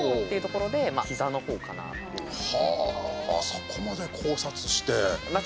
そこまで考察して。